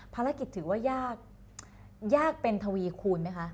ภารกิจถือว่ายากยากเป็นทวีคูณไหมคะ